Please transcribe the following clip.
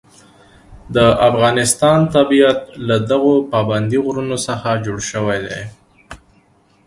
د افغانستان طبیعت له دغو پابندي غرونو څخه جوړ شوی دی.